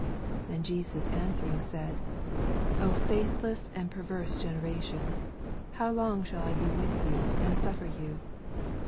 41 And Jesus answering said, O faithless and perverse generation, how long shall I be with vou, and suffer you